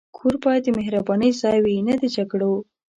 کور باید د مهربانۍ ځای وي، نه د جګړو.